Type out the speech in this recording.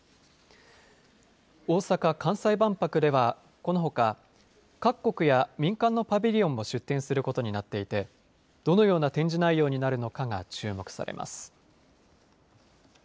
大阪・関西万博ではこのほか各国や民間のパビリオンも出展することになっていてどのような展示内容になるのかが注目されます。